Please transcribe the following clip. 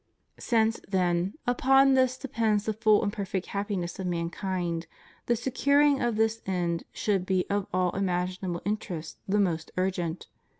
Since, then, upon th^ depends the full and perfect happiness of mankind, the securing of this end should be of all imaginable interests the most urgent.